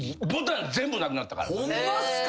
ホンマっすか？